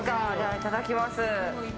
いただきます。